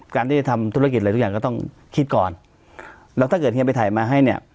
การที่จะทำธุรกิจอะไรทุกอย่างก็ต้องคิดก่อนแล้วถ้าเกิดเฮียไปถ่ายมาให้เนี่ย